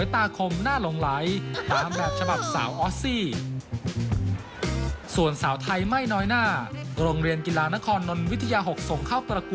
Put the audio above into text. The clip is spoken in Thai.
สูง๑๗๖เซนติเมตร